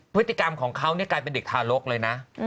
พฤติกรรมของเขากลายเป็นเด็กทารกเลยนะ